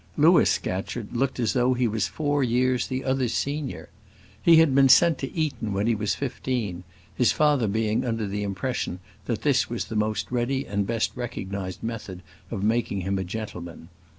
Louis Scatcherd looked as though he was four years the other's senior. He had been sent to Eton when he was fifteen, his father being under the impression that this was the most ready and best recognised method of making him a gentleman.